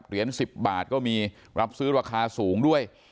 เหรียญ๑๐บาทก็มีรับซื้อราคาสูงด้วย